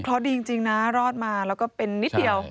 เพราะดีจริงนะรอดมาแล้วก็เป็นนิดเดียว